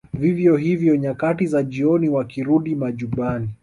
Vivyo hivyo nyakati za jioni wakirudi majumbani